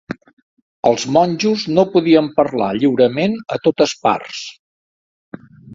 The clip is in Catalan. Els monjos no podien parlar lliurement a totes parts.